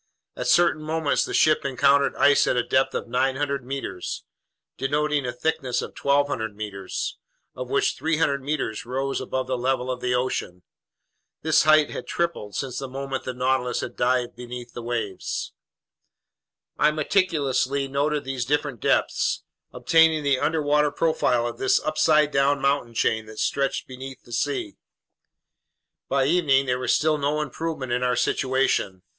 At certain moments the ship encountered ice at a depth of 900 meters, denoting a thickness of 1,200 meters, of which 300 meters rose above the level of the ocean. This height had tripled since the moment the Nautilus had dived beneath the waves. I meticulously noted these different depths, obtaining the underwater profile of this upside down mountain chain that stretched beneath the sea. By evening there was still no improvement in our situation.